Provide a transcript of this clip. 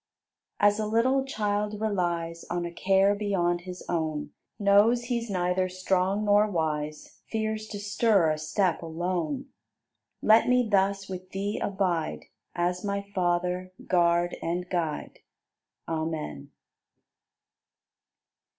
76. As a little child relies On a care beyond his own; Knows he's neither strong nor wise, Fears to stir a step alone, Let me thus with Thee abide As my Father, Guard, and Guide! Amen.